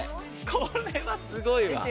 これはすごいわ。